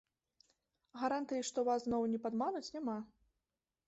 Гарантыі, што вас зноў не падмануць, няма.